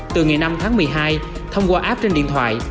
từ ngày năm tháng một mươi hai thông qua app trên điện thoại